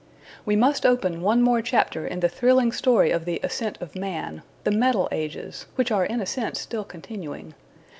] We must open one more chapter in the thrilling story of the Ascent of Man the Metal Ages, which are in a sense still continuing.